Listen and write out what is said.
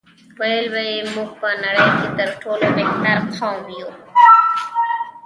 ویل به یې موږ په نړۍ کې تر ټولو بهترین قوم یو.